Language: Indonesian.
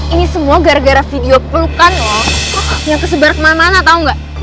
ini semua gara gara video pelukan lo yang tersebar kemana mana tau gak